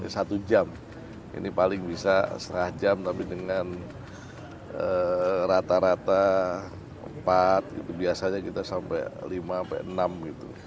satu jam ini paling bisa setengah jam tapi dengan rata rata empat itu biasanya kita sampai lima enam gitu